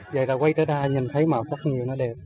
về rồi quay tới ra nhìn thấy màu sắc nhiều nó đẹp